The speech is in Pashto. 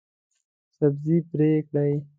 سبزي پرې کړئ